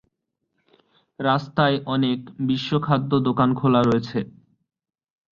রাস্তায় অনেক 'বিশ্ব খাদ্য' দোকান খোলা হয়েছে।